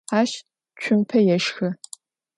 Aş tsumpe yêşşxı.